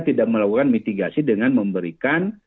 tidak melakukan mitigasi dengan memberikan